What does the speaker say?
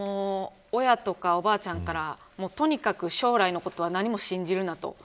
親とか、おばあちゃんからとにかく将来のことは何も信じるなと。